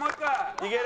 いける？